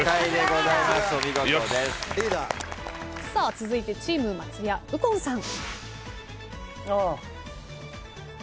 続いてチーム松也右近さん。